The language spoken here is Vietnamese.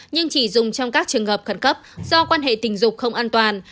nhưng chỉ dùng trong các trường hợp khẩn cấp do quan hệ tình dục không an toàn